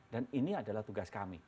dan ini adalah tugas kami